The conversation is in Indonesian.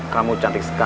kamu cantik sekali